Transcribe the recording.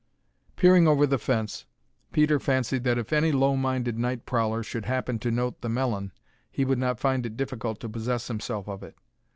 Peering over the fence, Peter fancied that if any low minded night prowler should happen to note the melon, he would not find it difficult to possess himself of it.